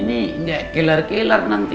ini gak kelar kelar nanti